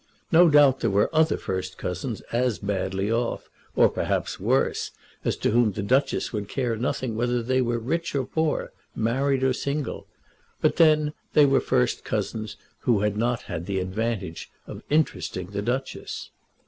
No doubt there were other first cousins as badly off, or perhaps worse, as to whom the Duchess would care nothing whether they were rich or poor, married or single; but then they were first cousins who had not had the advantage of interesting the Duchess.